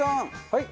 はい？